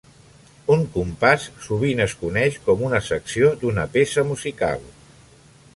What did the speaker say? Un compàs sovint es coneix com una "secció" d'una peça musical.